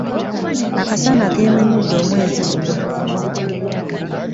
Akasana keememudde omwezi guno